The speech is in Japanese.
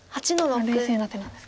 これは冷静な手なんですか。